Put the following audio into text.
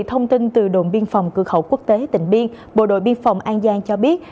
thông tin từ đồn biên phòng cửa khẩu quốc tế tỉnh biên bộ đội biên phòng an giang cho biết